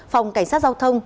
phòng cảnh sát giao thông